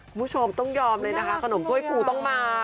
คุณผู้ชมต้องยอมเลยนะคะขนมถ้วยปูต้องมา